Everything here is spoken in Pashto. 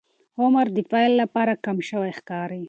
عمر د پیل لپاره کم شوی ښکاري.